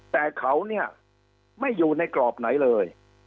แต่เขาเนี่ยไม่อยู่ในกรอบไหนเลย